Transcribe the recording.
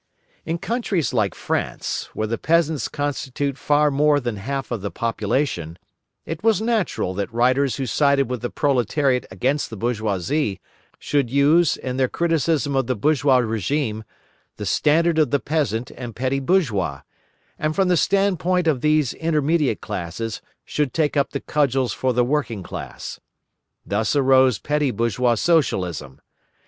In countries like France, where the peasants constitute far more than half of the population, it was natural that writers who sided with the proletariat against the bourgeoisie, should use, in their criticism of the bourgeois regime, the standard of the peasant and petty bourgeois, and from the standpoint of these intermediate classes should take up the cudgels for the working class. Thus arose petty bourgeois Socialism.